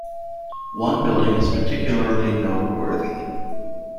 One building is particularly noteworthy.